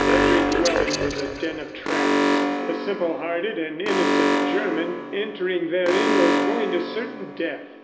Every dwelling was a den of traps. The simple hearted and innocent German entering therein was going to certain death.